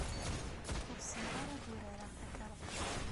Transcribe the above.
Ur ssineɣ ara ad urareɣ takarḍa.